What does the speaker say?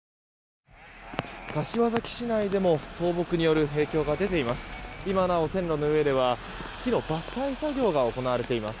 柏崎市内でも倒木による影響が出ています。